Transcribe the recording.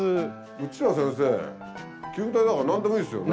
うちら先生球体だから何でもいいっすよね？